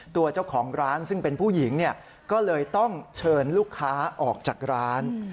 ตัวเจ้าของร้านซึ่งเป็นผู้หญิงก็เลยต้องเชิญลูกค้าออกจากร้าน